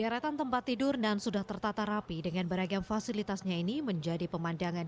deretan tempat tidur dan sudah tertata rapi dengan beragam fasilitasnya ini menjadi pemandangan